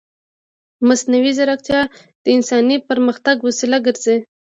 مصنوعي ځیرکتیا د انساني پرمختګ وسیله ګرځي.